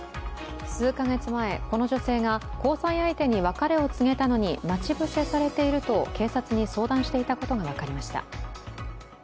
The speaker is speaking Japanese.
数か月前、この女性が交際相手に別れを告げたのに待ち伏せされていると警察に相談していたことが分かりました。